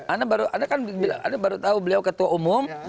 anda kan baru tahu beliau ketua umum